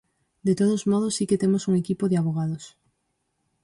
De todos modos, si que temos un equipo de avogados.